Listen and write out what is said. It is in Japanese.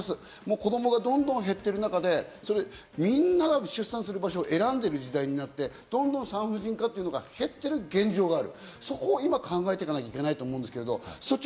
子供がどんどん減ってる中でみんなが出産する場所を選んでる時代になって、どんどん産婦人科が減ってる現状がある。